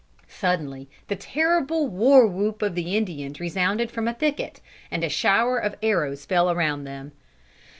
Suddenly the terrible war whoop of the Indians resounded from a thicket, and a shower of arrows fell around them.